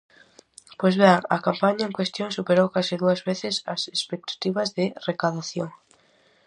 Pois ben, a campaña en cuestión superou case dúas veces as expectativas de recadación.